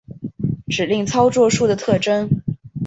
指令操作数的特征